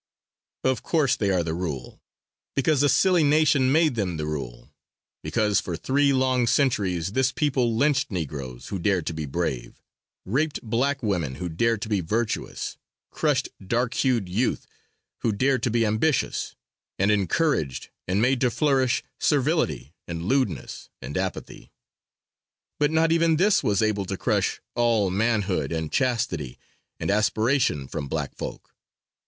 Of course they are the rule, because a silly nation made them the rule: Because for three long centuries this people lynched Negroes who dared to be brave, raped black women who dared to be virtuous, crushed dark hued youth who dared to be ambitious, and encouraged and made to flourish servility and lewdness and apathy. But not even this was able to crush all manhood and chastity and aspiration from black folk.